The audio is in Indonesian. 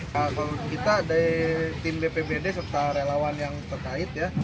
kalau kita dari tim bpbd serta relawan yang terkait ya